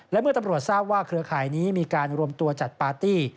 และเมื่อตำรวจทราบว่าเครือข่ายนี้มีการรวมตัวจัดปาร์ตี้